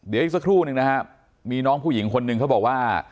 เดี๋ยวอีกสักครู่หนึ่งนะครับมีน้องผู้หญิงคนหนึ่งเขาบอกว่า